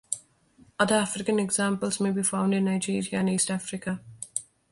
Other African examples may be found in Nigeria and East Africa.